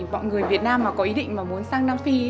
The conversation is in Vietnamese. mọi người việt nam mà có ý định mà muốn sang nam phi